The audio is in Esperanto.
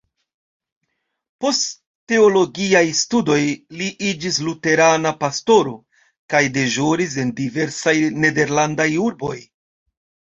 Post teologiaj studoj li iĝis luterana pastoro, kaj deĵoris en diversaj nederlandaj urboj.